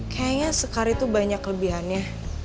kayaknya sekar itu banyak kelebihannya